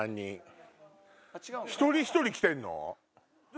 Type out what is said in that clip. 一人一人来てんの？